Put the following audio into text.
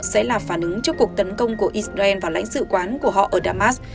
sẽ là phản ứng cho cuộc tấn công của israel vào lãnh sự quán của họ ở damas